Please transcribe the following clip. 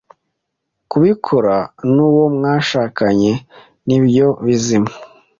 Kubikora n’uwo mwashakanye nibyo bizima